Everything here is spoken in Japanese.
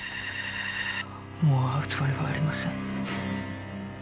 もう会うつもりはありません